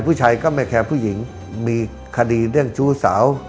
ผู้ชายก็ไม่แคร์ผู้หญิงมีคดีเรื่องชู้สาว